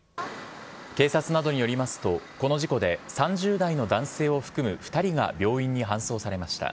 警察などによりますと、この事故で３０代の男性を含む２人が病院に搬送されました。